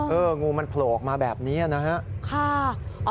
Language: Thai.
งูมันโผล่ออกมาแบบนี้นะครับ